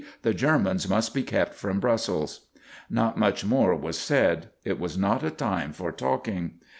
"The Germans must be kept from Brussels." Not much more was said; it was not a time for talking.